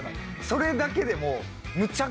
それだけでも。